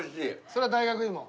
それは大学芋？